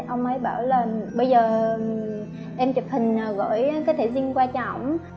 ông ấy bảo là bây giờ em chụp hình gửi cái thẻ riêng qua cho ổng